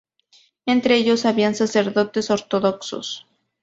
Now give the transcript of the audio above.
Entre ellos había sacerdotes ortodoxos.